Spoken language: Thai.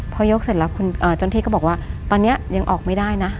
พอยกเสร็จแล้วคุณเจ้าหน้าที่ก็บอกว่าตอนนี้ยังออกไม่ได้นะ